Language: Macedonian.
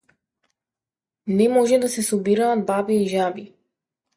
Не може да се собираат баби и жаби.